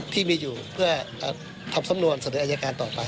ที่มีอยู่เพื่อทำสำนวนเสนออายการต่อไป